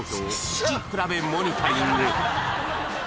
聴き比べモニタリング